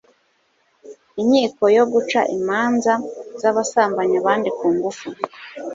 inkiko yo guca imanza z'abasambanya abandi ku ngufu